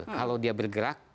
kalau dia bergerak